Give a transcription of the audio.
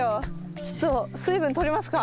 ちょっと水分とりますか。